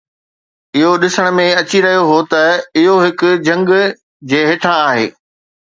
اهو ڏسڻ ۾ اچي رهيو هو ته اهو هڪ جهنگ جي هيٺان آهي